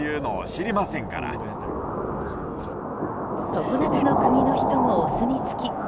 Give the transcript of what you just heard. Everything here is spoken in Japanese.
常夏の国の人もお墨付き。